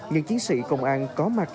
những chiến sĩ công an có mặt